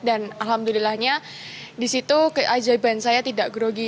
dan alhamdulillahnya disitu keajaiban saya tidak grogi